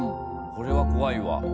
これはこわいわ！